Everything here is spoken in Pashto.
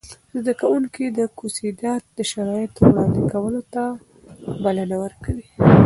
زده کوونکي کوسيدات د شرایطو وړاندې کولو ته بلنه ورکوي.